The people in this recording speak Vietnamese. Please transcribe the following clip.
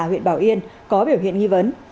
huyện bảo yên có biểu hiện nghi vấn